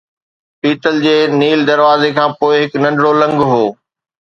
پيتل جي نيل دروازي کان پوءِ هڪ ننڍڙو لنگهه هو